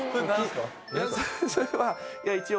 それは一応。